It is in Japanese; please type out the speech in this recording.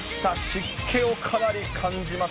湿気をかなり感じます。